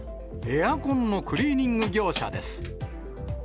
エアコンのクリーニング業者です。